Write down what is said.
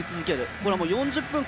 これは４０分間